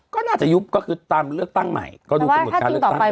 ก็น่าจะยุบก็คือตามเลือกตั้งใหม่ก็ดูกำหนดการเลือกตั้ง